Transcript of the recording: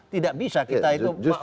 tidak bisa kita itu